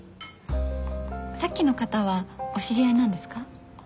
さっきの方はお知り合いなんですか？